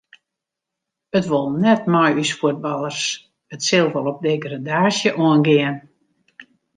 It wol net mei ús fuotballers, it sil wol op degradaasje oangean.